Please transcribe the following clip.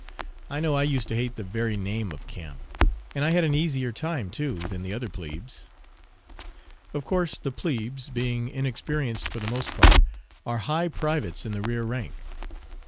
I know I used to hate the very name of camp, and I had an easier time, too, than the other plebes. Of course the plebes, being inexperienced for the most part, are "high privates in the rear rank."